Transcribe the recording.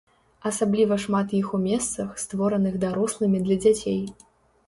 Асабліва шмат іх у месцах, створаных дарослымі для дзяцей.